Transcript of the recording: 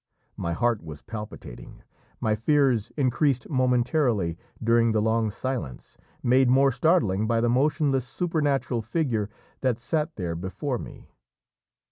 My heart was palpitating, my fears increased momentarily during the long silence, made more startling by the motionless supernatural figure that sat there before me.